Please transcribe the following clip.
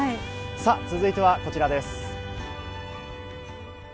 続いてはこちらです。